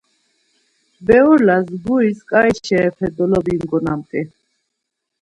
Berolas guris ǩai şeepe dolobingonamt̆i.